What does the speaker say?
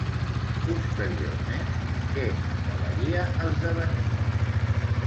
Posteriorment, què acabaria esdevenint?